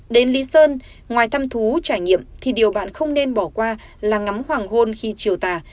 đến lý sơn ngoài thăm thú trải nghiệm thì điều bạn không nên bỏ qua là ngắm hoàng hôn khi chiều tà